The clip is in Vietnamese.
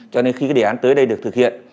cho nên khi cái đề án tới đây được thực hiện